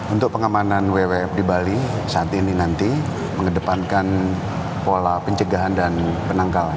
untuk pengamanan wwf di bali saat ini nanti mengedepankan pola pencegahan dan penangkalan